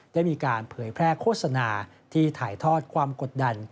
ได้มีการเผยแพร่โฆษณาที่ถ่ายทอดความกดดัน